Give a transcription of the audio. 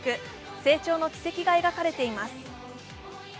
成長の軌跡が描かれています。